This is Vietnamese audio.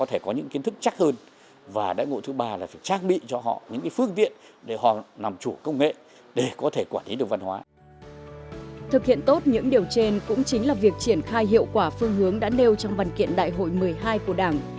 thực hiện tốt những điều trên cũng chính là việc triển khai hiệu quả phương hướng đã nêu trong văn kiện đại hội một mươi hai của đảng